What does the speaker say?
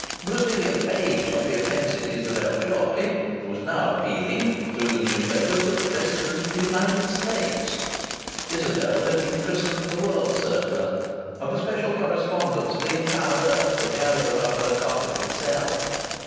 There was nearly a page of the offensive Isabel Joy, who was now appealing, through the newspapers, to the President of the United States. Isabel had been christened the World Circler, and the special correspondents of the entire earth were gathered about her carpeted cell.